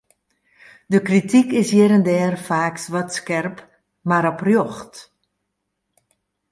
De krityk is hjir en dêr faaks wat skerp, mar oprjocht.